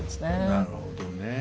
なるほどね。